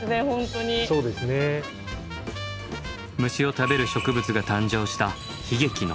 虫を食べる植物が誕生した悲劇の歴史。